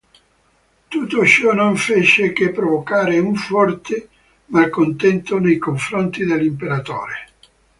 Tutto ciò non fece che provocare un forte malcontento nei confronti dell'Imperatore.